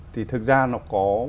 thì thực ra nó có